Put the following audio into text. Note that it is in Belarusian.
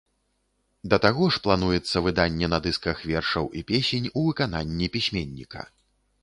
Да таго ж плануецца выданне на дысках вершаў і песень ў выкананні пісьменніка.